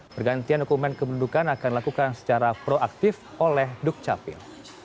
pergantian dokumen kependudukan akan dilakukan secara proaktif oleh dukcapil